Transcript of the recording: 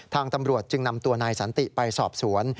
ทางตำรวจจึงนำตัวนายสันติไปสอบสวน